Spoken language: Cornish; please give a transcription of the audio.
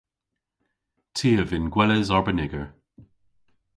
Ty a vynn gweles arbeniger.